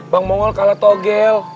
bang mongol kalah togel